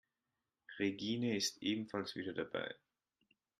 Regine ist ebenfalls wieder dabei.